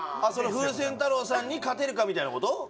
その風船太郎さんに勝てるかみたいなこと？